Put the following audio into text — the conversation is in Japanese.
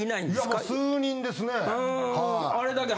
いやもう数人ですね。